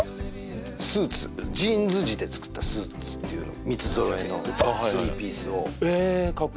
スーツジーンズ地で作ったスーツっていうの三つ揃えのスリーピースをはいはいえカッコ